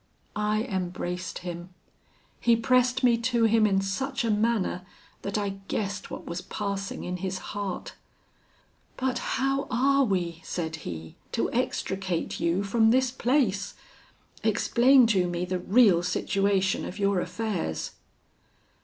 "I embraced him: he pressed me to him in such a manner, that I guessed what was passing in his heart. "'But how are we,' said he, 'to extricate you from this place? Explain to me the real situation of your affairs.'